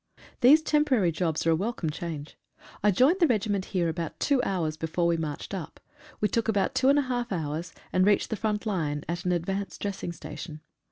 These temporary jobs are a welcome change. I joined the regiment here about two hours before we marched up. We took about two and a half hours, and reached the front line at an advanced dressing station.